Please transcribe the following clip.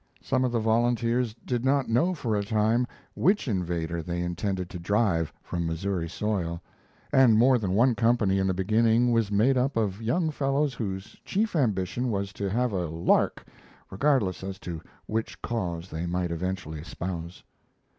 Some of the volunteers did not know for a time which invader they intended to drive from Missouri soil, and more than one company in the beginning was made up of young fellows whose chief ambition was to have a lark regardless as to which cause they might eventually espouse.